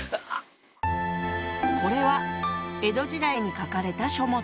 これは江戸時代に書かれた書物。